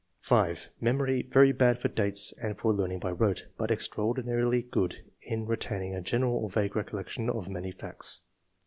5. " Memory very bad for dates and for learning by rote, but [extraordinarily] good in retaining a general or vague recollection of many facts.